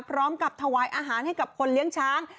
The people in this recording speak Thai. พร้อมกับถวายอาหารให้กับคนเลี้ยงช้าง